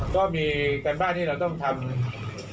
ก็มีการบ้านที่เราต้องทำ